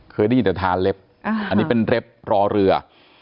เคยได้ยินแต่ทานเล็บอันนี้เป็นเล็บรอเรือ